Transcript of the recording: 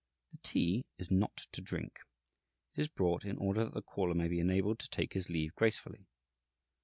The tea is not to drink; it is brought in order that the caller may be enabled to take his leave gracefully.